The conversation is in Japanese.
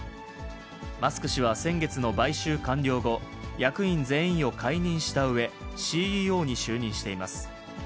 マスク氏は先月の買収完了後、役員全員を解任したうえ、ＣＥＯに就任しています。